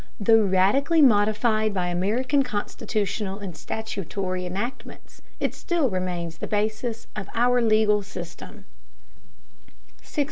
Though radically modified by American constitutional and statutory enactments it still remains the basis of our legal system. 603.